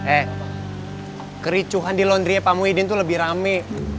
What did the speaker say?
eh kericuhan di laundry pak muhyiddin itu lebih rame